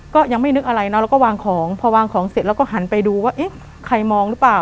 ก็ยังไม่นึกอะไรเนาะแล้วก็วางของพอวางของเสร็จแล้วก็หันไปดูว่าเอ๊ะใครมองหรือเปล่า